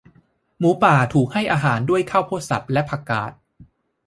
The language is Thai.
หมูป่าถูกให้อาหารด้วยข้าวโพดสับและ ผักกาด